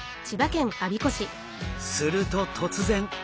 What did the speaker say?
すると突然！